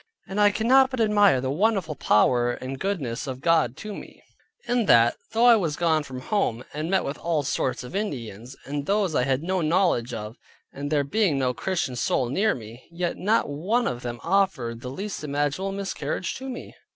And I cannot but admire at the wonderful power and goodness of God to me, in that, though I was gone from home, and met with all sorts of Indians, and those I had no knowledge of, and there being no Christian soul near me; yet not one of them offered the least imaginable miscarriage to me.